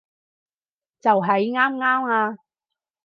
就喺啱啱啊